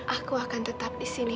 aku akan tetap disini